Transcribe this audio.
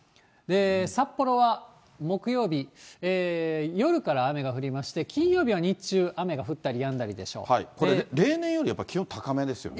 札幌は木曜日、夜から雨が降りまして、金曜日は日中、これ、例年よりやっぱり気温高めですよね。